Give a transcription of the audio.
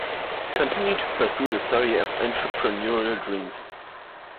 Continue to pursue the story of entrepreneurial dreams.